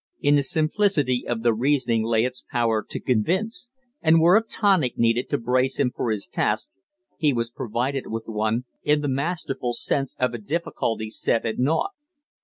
In the simplicity of the reasoning lay its power to convince; and were a tonic needed to brace him for his task, he was provided with one in the masterful sense of a difficulty set at nought.